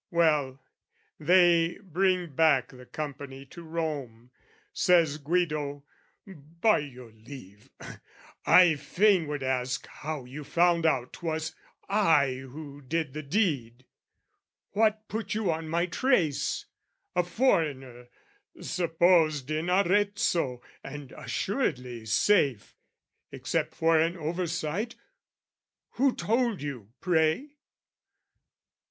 Well, they bring back the company to Rome. Says Guido, "By your leave, I fain would ask "How you found out 'twas I who did the deed? "What put you on my trace, a foreigner, "Supposed in Arezzo, and assuredly safe "Except for an oversight: who told you, pray?"